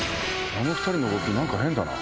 あの２人の動き何か変だな。